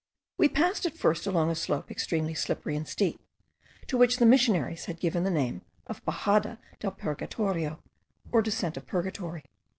We passed at first along a slope extremely slippery and steep, to which the missionaries had given the name of Baxada del Purgatorio, or Descent of Purgatory.